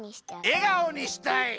えがおにしたい。